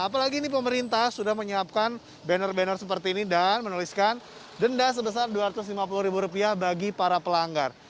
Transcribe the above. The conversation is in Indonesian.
apalagi ini pemerintah sudah menyiapkan banner banner seperti ini dan menuliskan denda sebesar dua ratus lima puluh ribu rupiah bagi para pelanggar